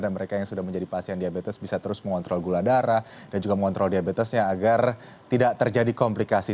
mereka yang sudah menjadi pasien diabetes bisa terus mengontrol gula darah dan juga mengontrol diabetesnya agar tidak terjadi komplikasi